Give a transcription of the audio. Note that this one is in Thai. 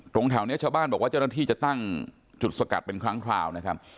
แถวนี้ชาวบ้านบอกว่าเจ้าหน้าที่จะตั้งจุดสกัดเป็นครั้งคราวนะครับ